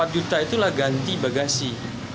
empat juta itulah ganti bagasi